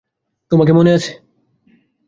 তোমাকে মনে আছে।